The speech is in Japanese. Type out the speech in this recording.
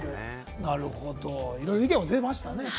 なるほど、いろいろ意見が出ましたね。